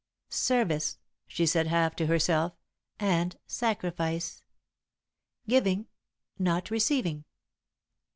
"Service," she said, half to herself, "and sacrifice. Giving, not receiving.